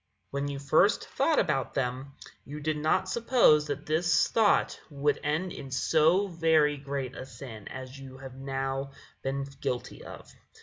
When you first thought about them, you did not suppose that this thought would end in so very great a sin as you have now been guilty of."